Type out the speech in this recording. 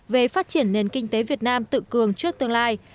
về phát triển nền kinh tế việt nam tự cường trước tương lai